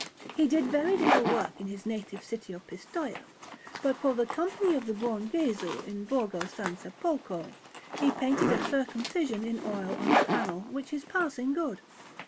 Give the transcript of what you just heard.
He did little work in his native city of Pistoia; but for the Company of the Buon Gesù in Borgo San Sepolcro he painted a Circumcision in oil on a panel, which is passing good.